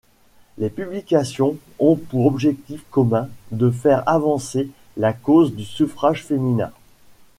Les publications ont pour objectif commun de faire avancer la cause du suffrage féminin.